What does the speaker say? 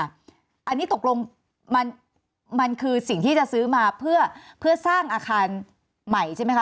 อันนี้ตกลงมันคือสิ่งที่จะซื้อมาเพื่อสร้างอาคารใหม่ใช่ไหมคะ